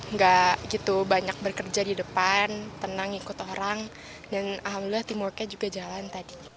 nggak gitu banyak bekerja di depan tenang ikut orang dan alhamdulillah teamworknya juga jalan tadi